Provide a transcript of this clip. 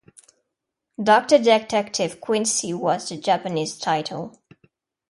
Doctor Detective Quincy was the Japanese title.